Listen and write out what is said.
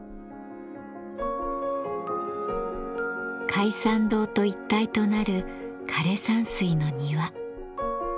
開山堂と一体となる枯山水の庭。